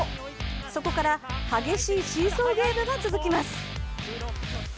そこから激しいシーソーゲームが続きます。